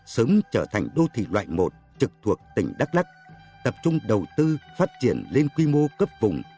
sớm trở thành đô thị loại một trực thuộc tỉnh đắk lắc tập trung đầu tư phát triển lên quy mô cấp vùng